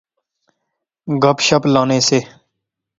گپ شپ لانے سے